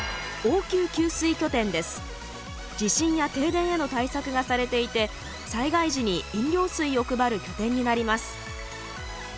地震や停電への対策がされていて災害時に飲料水を配る拠点になります。